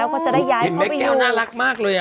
ก็จะได้ย้ายเข้าไปดูเห็นเม็กแก้วน่ารักมากเลยอะ